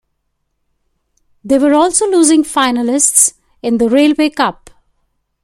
They were also losing finalists in the Railway Cup.